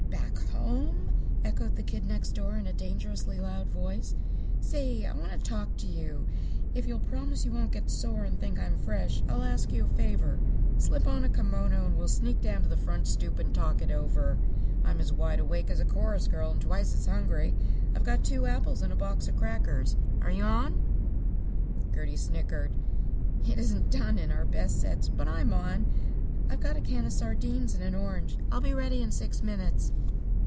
"Back home!" echoed the Kid Next Door in a dangerously loud voice. "Say, I want to talk to you. If you'll promise you won't get sore and think I'm fresh, I'll ask you a favor. Slip on a kimono and we'll sneak down to the front stoop and talk it over. I'm as wide awake as a chorus girl and twice as hungry. I've got two apples and a box of crackers. Are you on?" Gertie snickered. "It isn't done in our best sets, but I'm on. I've got a can of sardines and an orange. I'll be ready in six minutes."